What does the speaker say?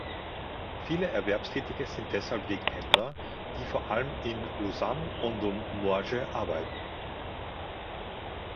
Viele Erwerbstätige sind deshalb Wegpendler, die vor allem in Lausanne und in Morges arbeiten.